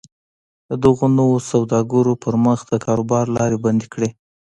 د دغو نویو سوداګرو پر مخ د کاروبار لارې بندې کړي